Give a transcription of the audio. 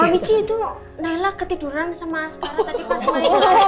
ibu mbak michi itu naila ketiduran sama asmara tadi pas main